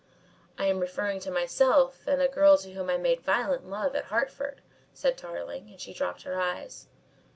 "I am referring to myself and a girl to whom I made violent love at Hertford," said Tarling, and she dropped her eyes.